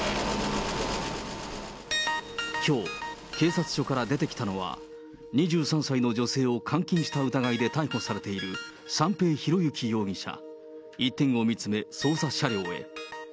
きょう、警察署から出てきたのは、２３歳の女性を監禁した疑いで逮捕されている、三瓶博幸容疑者。一点を見つめ、捜査車両へ。